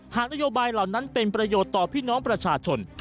นโยบายเหล่านั้นเป็นประโยชน์ต่อพี่น้องประชาชน